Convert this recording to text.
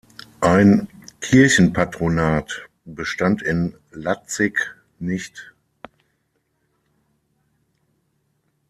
Ein Kirchenpatronat bestand in Latzig nicht.